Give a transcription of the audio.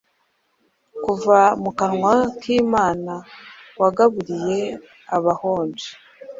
Kuva mu kanwa kImana wagaburiye abahonje